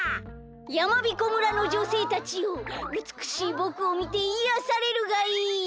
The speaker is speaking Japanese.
やまびこ村のじょせいたちようつくしいぼくをみていやされるがいい！